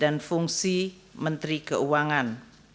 dan fungsi menteri keuangan